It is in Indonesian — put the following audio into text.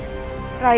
rai ketering mani